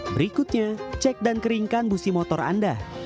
berikutnya cek dan keringkan busi motor anda